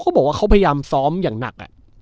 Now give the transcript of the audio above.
เขาบอกว่าเขาพยายามซ้อมอย่างหนัก